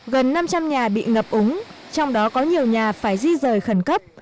gần năm trăm linh nhà bị ngập úng trong đó có nhiều nhà phải di rời khẩn cấp